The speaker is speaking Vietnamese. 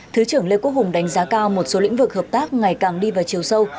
thứ trưởng lê quốc hùng đánh giá cao một số lĩnh vực hợp tác ngày càng đi vào chiều sâu